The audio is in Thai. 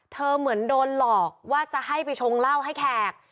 เหมือนโดนหลอกว่าจะให้ไปชงเหล้าให้แขก